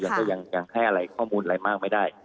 หนอนแต่ยังให้ข้อมูลอะไรบ้างไม่ได้